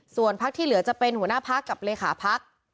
ส่วนพักที่เหลือจะเป็นหัวหน้าพักกับเลขาพัก